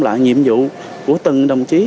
là nhiệm vụ của từng đồng chí